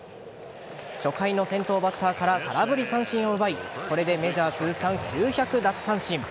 初回の先頭バッターから空振り三振を奪いこれでメジャー通算９００奪三振。